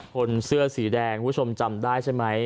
คนเสื้อสีแดงคุณผู้ชมจำได้ใช่ไหม